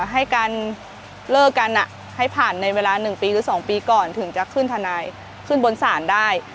ให้การเลิกกันให้ผ่านในเวลา๑ปีหรือ๒ปีก่อนถึงจะขึ้นทนายขึ้นบนศาลได้